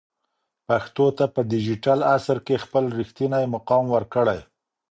پښتو ته په ډیجیټل عصر کې خپل رښتینی مقام ورکړئ.